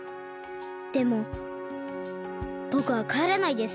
でもぼくはかえらないです。